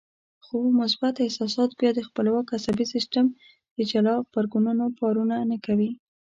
خو مثبت احساسات بيا د خپلواک عصبي سيستم د جلا غبرګونونو پارونه نه کوي.